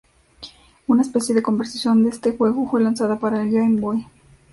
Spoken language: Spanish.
Una "especie" de conversión, de este juego fue lanzada para el Game Boy.